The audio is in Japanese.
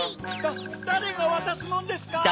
だれがわたすもんですか！